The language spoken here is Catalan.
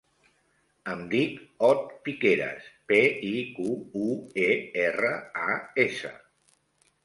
Em dic Ot Piqueras: pe, i, cu, u, e, erra, a, essa.